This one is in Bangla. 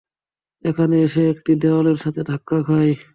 এখানে এসে একটি দেয়ালের সাথে ধাক্কা খায়।